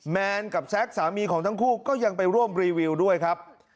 แมนกับแซคสามีของทั้งคู่ก็ยังไปร่วมรีวิวด้วยครับ